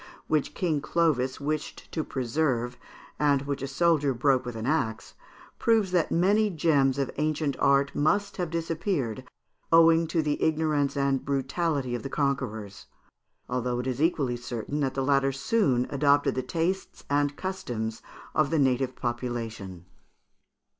41), which King Clovis wished to preserve, and which a soldier broke with an axe, proves that many gems of ancient art must have disappeared, owing to the ignorance and brutality of the conquerors; although it is equally certain that the latter soon adopted the tastes and customs of the native population.